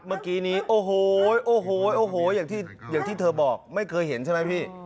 เมื่อกี้นี้โอ้โหโอ้โหอย่างที่เธอบอกไม่เคยเห็นใช่ไหมพี่